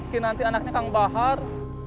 kinanti anaknya kang bahar